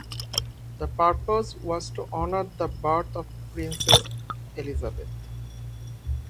The purpose was to honor the birth of Princess Elisabeth.